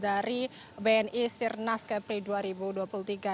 dari bni sirkuit nasional dua ribu dua puluh tiga